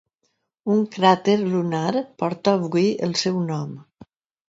Un cràter lunar porta avui el seu nom.